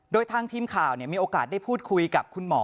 โดยทางทีมข่าวมีโอกาสได้พูดคุยกับคุณหมอ